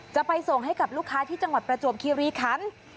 จะไปส่งให้กับลูกค้าที่จังหวัดประจวบคิริคัน